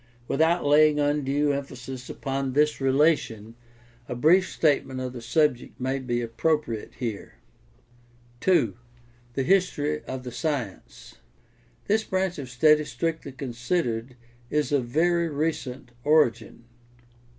Without laying undue emphasis upon this relation a brief treatment of the subject may be appropriate here. 2. THE HISTORY OF THE SCIENCE This branch of study strictly considered is of very recent origin.